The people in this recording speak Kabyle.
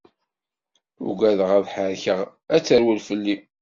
Uggadeɣ ad ḥerkeɣ ad terwel fell-i.